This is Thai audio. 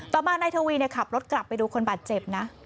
ต่อมานายทวีขับรถกลับไปดูคนบาดเจ็บนะ